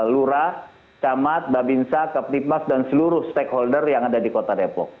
lurah camat babinsa kaptipmas dan seluruh stakeholder yang ada di kota depok